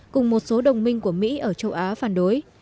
cùng một số đồng minh của mỹ ở châu á phản đối